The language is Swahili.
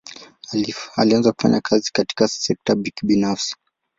Alianza kufanya kazi katika sekta binafsi.